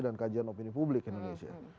dan kajian opini publik indonesia